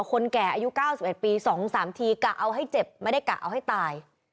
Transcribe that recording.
คนแก่อายุ๙๑ปี๒๓ทีกะเอาให้เจ็บไม่ได้กะเอาให้ตาย